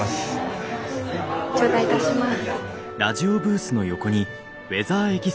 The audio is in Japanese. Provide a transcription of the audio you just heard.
頂戴いたします。